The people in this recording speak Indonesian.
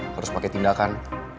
harus pakai tindakan